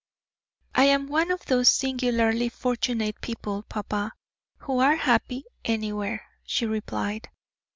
"I am one of those singularly fortunate people, papa, who are happy anywhere," she replied.